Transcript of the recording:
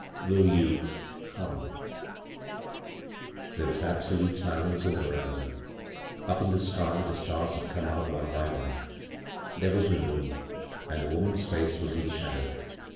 Will you — come ?" There was absolute silence on the veranda. Up in the sky the stars had come out one by (me. There was no moon, and the woman's face was in the shadow.